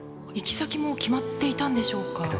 行き先も決まっていたんでしょうか？